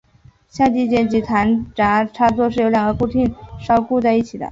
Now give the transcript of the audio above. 下机匣及弹匣插座是由两个固定销固接在一起。